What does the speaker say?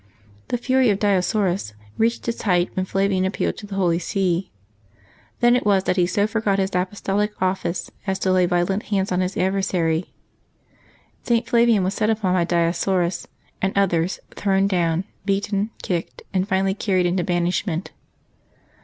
The fury of Dioscorus reached its height when Flavian appealed to the Holy See. Then it was that he so forgot his apostolic office as to lay violent hands on his adversary. St. Flavian was set upon by Dioscorus and others, thrown down, beaten, kicked, and finally carried into banishment.